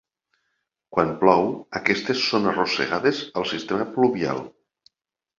Quan plou aquestes són arrossegades al sistema pluvial.